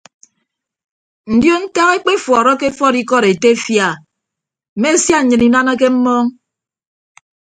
Ndion ntak ekpefuọrọke efuọd ikọd etefia a mme sia nnyịn inanake mmọọñ.